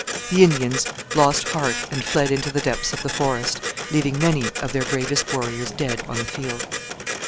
The Indians lost heart and fled into the depths of the forest, leaving many of their bravest warriors dead on the field.